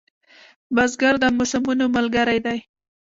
بزګر د موسمونو ملګری دی